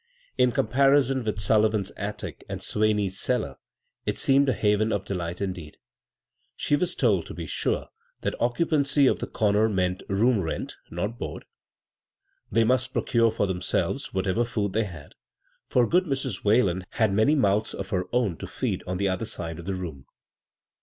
In com parison with Sullivan's attic and Swaney's cellar, it seemed a haven of delight indeed. She was told, to be sure, that occupancy of the comer meant merely room rent, not board. They must procure for themselves whatever food they had, for good Mrs. Whalen had many mouths of her own to feed on the other ^de of the room.